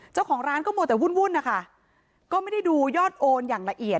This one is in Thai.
เจ้าของร้านก็มัวแต่วุ่นวุ่นนะคะก็ไม่ได้ดูยอดโอนอย่างละเอียด